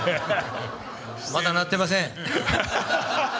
まだなってません。